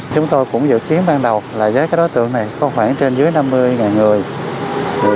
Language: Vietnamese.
chúng tôi cũng dự kiến ban đầu là với đối tượng này có khoảng trên dưới năm mươi người